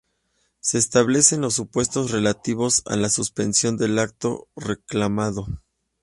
Se establecen los supuestos relativos a la suspensión del acto reclamado.